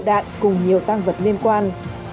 các đồ đạn cùng nhiều tăng vật liên quan